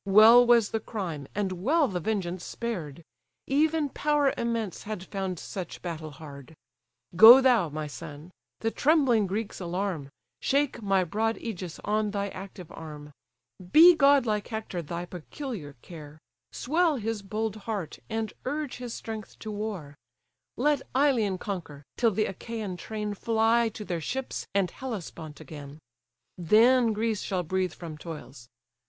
Well was the crime, and well the vengeance spared; Even power immense had found such battle hard. Go thou, my son! the trembling Greeks alarm, Shake my broad ægis on thy active arm, Be godlike Hector thy peculiar care, Swell his bold heart, and urge his strength to war: Let Ilion conquer, till the Achaian train Fly to their ships and Hellespont again: Then Greece shall breathe from toils."